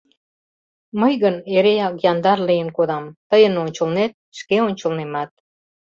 Мый гын эреак яндар лийын кодам: тыйын ончылнет, шке ончылнемат.